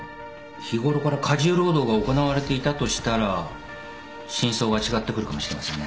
日頃から過重労働が行われていたとしたら真相が違ってくるかもしれませんね。